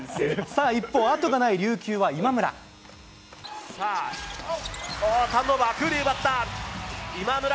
さあ、一方、後がない琉球は今村。